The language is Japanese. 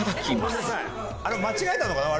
間違えたのかな？